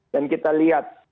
dan kita lihat